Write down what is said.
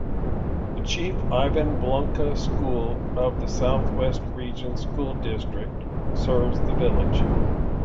The "Chief" Ivan Blunka School of the Southwest Region School District serves the village.